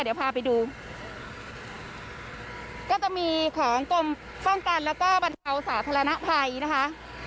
เดี๋ยวพาไปดูก็จะมีของกรมป้องกันแล้วก็บรรเทาสาธารณภัยนะคะ